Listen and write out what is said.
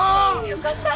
よかった。